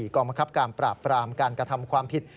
กรรมคับการปราบปรามการกระทำความผิด